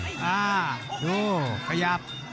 ดูขยับ